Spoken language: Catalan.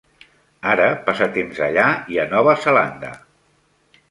Ara passa temps allà i a Nova Zelanda.